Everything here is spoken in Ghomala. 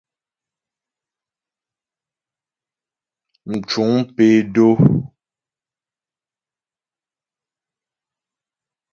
Mcuŋ pé dó.